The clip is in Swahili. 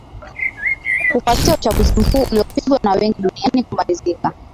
kufuatia uchaguzi mkuu uliopigwa na wengi duniani kumalizika